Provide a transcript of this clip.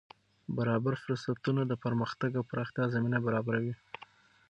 برابر فرصتونه د پرمختګ او پراختیا زمینه برابروي.